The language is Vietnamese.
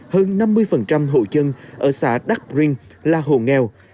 hơn năm mươi hộ dân ở xã đắc rinh là hộ nghèo